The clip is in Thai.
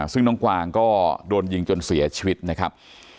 ซึ่งน้องกวางก็โดนยิงจนเสียชีวิตนะครับ